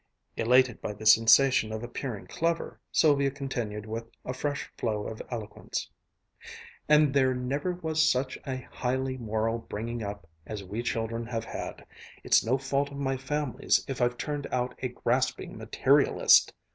Elated by the sensation of appearing clever, Sylvia continued with a fresh flow of eloquence. "And there never was such a highly moral bringing up as we children have had. It's no fault of my family's if I've turned out a grasping materialist!